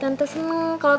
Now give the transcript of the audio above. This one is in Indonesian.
tante aku mau kasih kamu uang